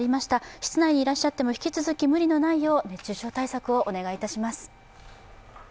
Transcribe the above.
室内にいらっしゃっても引き続き無理のないよう熱中症対策をお願いいたします。